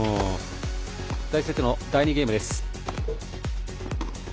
第２セットの第２ゲームです。